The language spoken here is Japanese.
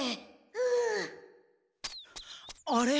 うん。あれ？